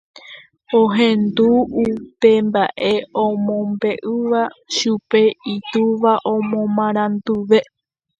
Ohendúvo upe mba'e omombe'úva chupe itúva oporanduve.